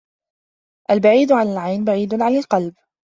البعيد عن العين بعيد عن القلب